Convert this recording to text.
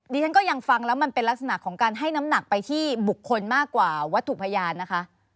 ดิฉันก็ยังฟังแล้วมันเป็นลักษณะของการให้น้ำหนักไปที่บุคคลมากกว่าวัตถุพยานนะคะ